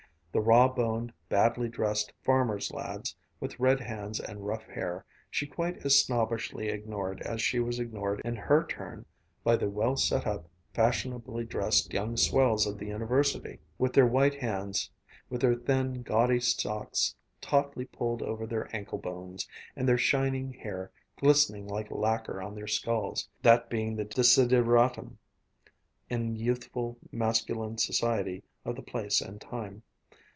The raw boned, badly dressed farmers' lads, with red hands and rough hair, she quite as snobbishly ignored as she was ignored in her turn by the well set up, fashionably dressed young swells of the University, with their white hands, with their thin, gaudy socks tautly pulled over their ankle bones, and their shining hair glistening like lacquer on their skulls (that being the desideratum in youthful masculine society of the place and time).